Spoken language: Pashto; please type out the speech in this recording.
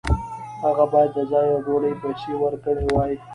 هغه باید د ځای او ډوډۍ پیسې ورکړې وای.